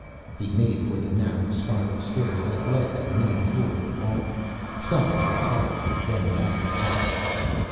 He made for the narrow spiral stairs that led to the main floor of the barn, stopped at its head, then backed away.